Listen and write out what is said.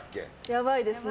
やばいですね。